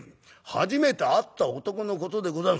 初めて会った男のことでござんす。